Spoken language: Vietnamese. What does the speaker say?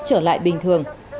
trở lại bình thường